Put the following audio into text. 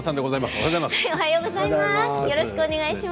おはようございます。